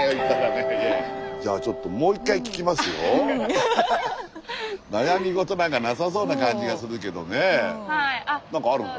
じゃあちょっと悩み事なんかなさそうな感じがするけどね何かあるの？